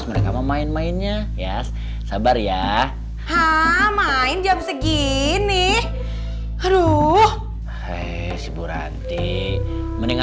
mau buka sikir mau baru yang penting